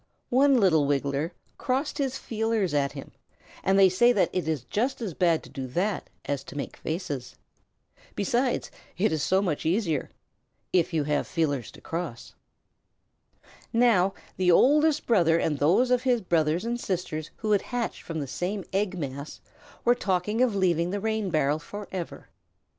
One little Wiggler crossed his feelers at him, and they say that it is just as bad to do that as to make faces. Besides, it is so much easier if you have the feelers to cross. Now the Oldest Brother and those of his brothers and sisters who had hatched from the same egg mass were talking of leaving the rain barrel forever.